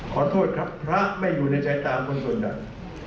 ขอโทษครับพระไม่มีในจ่ายตาของคนส่วนใหญ่